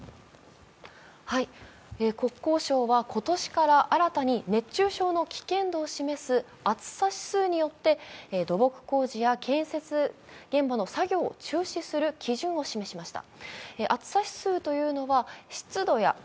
国交省は今年から新たに熱中症の危険度を示す暑さ指数によって土木工事や建設現場の作業を中止する基準を示しました。